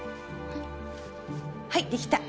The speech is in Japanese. はいできた。